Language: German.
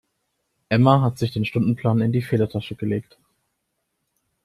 Emma hat sich den Stundenplan in die Federtasche gelegt.